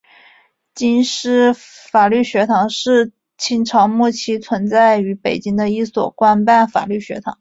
京师法律学堂是清朝末期存在于北京的一所官办法律学堂。